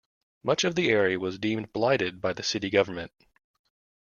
Much of the area was deemed blighted by the city government.